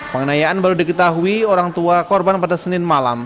pengenayaan baru diketahui orang tua korban pada senin malam